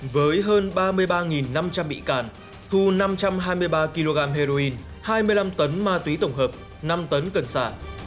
với hơn ba mươi ba năm trăm linh bị càn thu năm trăm hai mươi ba kg heroin hai mươi năm tấn ma túy tổng hợp năm tấn cần xả